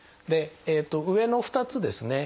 上の２つですね